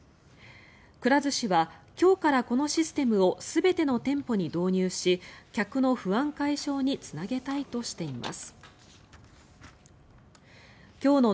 くら寿司は今日からこのシステムを全ての店舗に導入し客の不安解消につなげたいとしています。